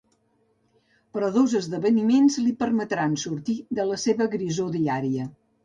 Però dos esdeveniments li permetran sortir de la seva grisor diària.